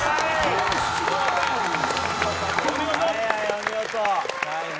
お見事。